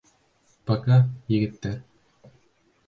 Пока, егеттәр!